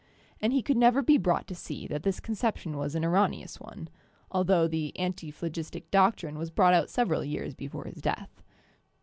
And he could never be brought to see that this conception was an erroneous one, altho the anti phlogistic doctrine was brought out several years before his death.